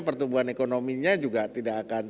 pertumbuhan ekonominya juga tidak akan